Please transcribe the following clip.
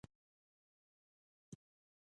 آزاد تجارت مهم دی ځکه چې رقابت رامنځته کوي.